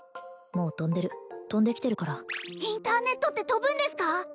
もう飛んでる飛んできてるからインターネットって飛ぶんですか？